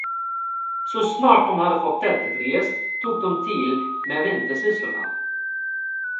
Så snart de hade fått tältet rest tog de till med vintersysslorna.